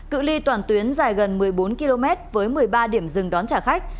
cự ly toàn tuyến dài gần một mươi bốn km với một mươi ba điểm dừng đón trả khách